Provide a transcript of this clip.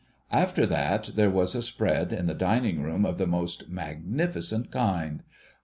After that, there was a spread in the dining room of the most magnificent kind.